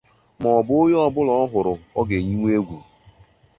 maọbụ na onye ọbụla ọ hụrụ na ọ ga-eyinwu egwu